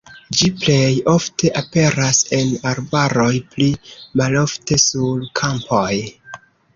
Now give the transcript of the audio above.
Ĝi plej ofte aperas en arbaroj, pli malofte sur kampoj.